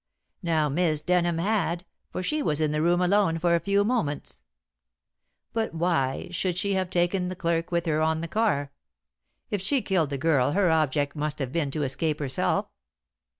Now Miss Denham had, for she was in the room alone for a few moments." "But why should she have taken the clerk with her on the car? If she killed the girl her object must have been to escape herself?"